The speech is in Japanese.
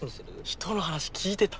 人の話聞いてた？